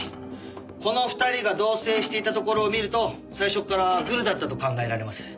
この２人が同棲していたところを見ると最初っからグルだったと考えられます。